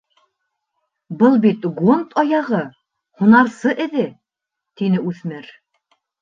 — Был бит гонд аяғы — һунарсы эҙе, — тине үҫмер.